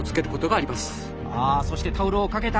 ああそしてタオルを掛けた。